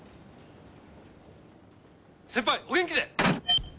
先輩お元気で！